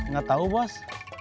gak tau bos